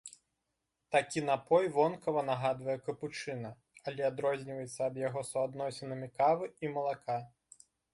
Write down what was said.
Такі напой вонкава нагадвае капучына, але адрозніваецца ад яго суадносінамі кавы і малака.